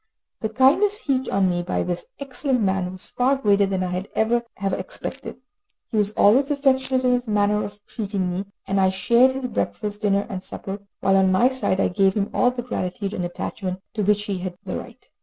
The kindness heaped on me by this excellent man was far greater than I could ever have expected. He was always affectionate in his manner of treating me, and I shared his breakfast, dinner and supper, while, on my side, I gave him all the gratitude and attachment to which he had a right.